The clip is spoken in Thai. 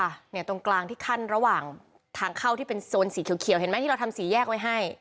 เนี่ยตรงกลางที่ขั้นระหว่างทางเข้าที่เป็นโซนสีเขียวเห็นไหมที่เราทำสี่แยกไว้ให้